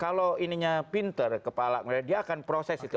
kalau ininya pinter kepala dia akan proses itu